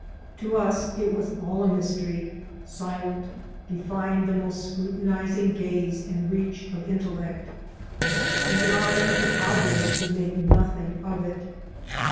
To us it was all a mystery ; silent, defying the most scrutinizing gaze and reach of intellect. Even our friends the padres could make nothing of it.